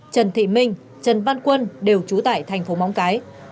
trần thị minh trần văn quân đều trú tại thành phố móng cái